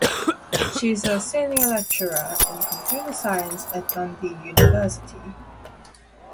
She's a senior lecturer in Computer Science at Dundee University.